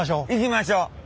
行きましょう。